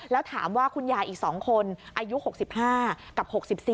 แล้วถามว่าคุณยายอีก๒คนอายุ๖๕กับ๖๔